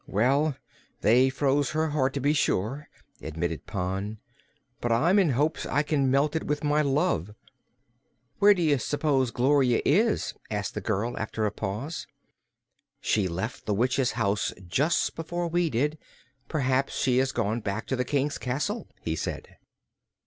"Well, they froze her heart, to be sure," admitted Pon, "but I'm in hopes I can melt it with my love." "Where do you s'pose Gloria is?" asked the girl, after a pause. "She left the witch's house just before we did. Perhaps she has gone back to the King's castle," he said.